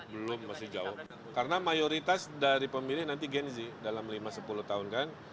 belum masih jauh karena mayoritas dari pemilih nanti gen z dalam lima sepuluh tahun kan